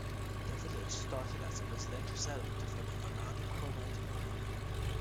The village started as a residential settlement for the Vanad chromite mine.